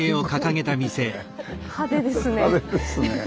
派手ですね。